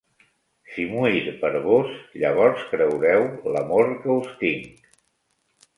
Si muir per vós, llavors creureu l'amor que us tinc.